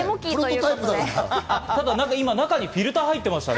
なんかフィルターが入ってましたね。